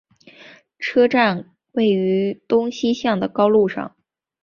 车站位于东西向的高路上。